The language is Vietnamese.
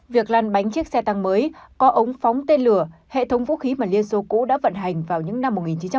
việc lăn bánh chiếc xe tăng mới có ống phóng tên lửa hệ thống vũ khí mà liên xô cũ đã vận hành vào những năm một nghìn chín trăm bảy mươi